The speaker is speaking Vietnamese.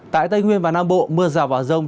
tại tây nguyên và nam bộ mưa rào vào rông